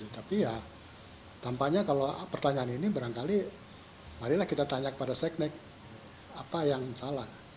tapi ya tampaknya kalau pertanyaan ini barangkali marilah kita tanya kepada seknek apa yang salah